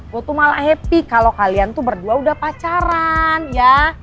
gue tuh malah happy kalau kalian tuh berdua udah pacaran ya